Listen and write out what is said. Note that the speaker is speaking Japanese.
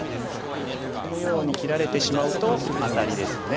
このように切られてしまうとアタリですよね。